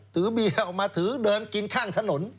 เบียร์ออกมาถือเดินกินข้างถนน